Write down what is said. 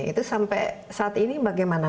itu sampai saat ini bagaimana